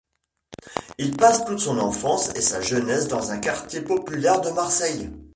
Il passe toute son enfance et sa jeunesse dans un quartier populaire de Marseille.